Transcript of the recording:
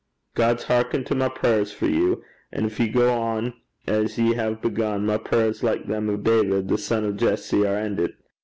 God's hearkent to my prayers for you; and gin ye gang on as ye hae begun, my prayers, like them o' David the son o' Jesse, are endit.